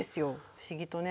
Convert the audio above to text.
不思議とね。